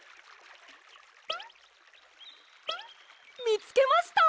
みつけました！